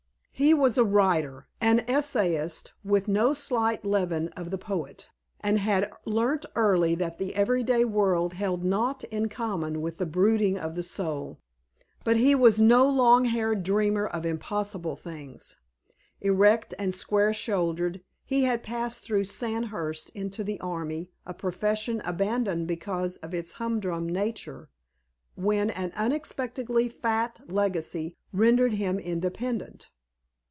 He was a writer, an essayist with no slight leaven of the poet, and had learnt early that the everyday world held naught in common with the brooding of the soul. But he was no long haired dreamer of impossible things. Erect and square shouldered, he had passed through Sandhurst into the army, a profession abandoned because of its humdrum nature, when an unexpectedly "fat" legacy rendered him independent.